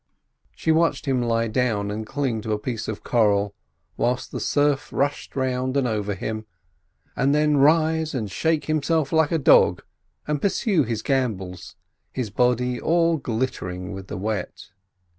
She watched him lie down and cling to a piece of coral, whilst the surf rushed round and over him, and then rise and shake himself like a dog, and pursue his gambols, his body all glittering with the wet.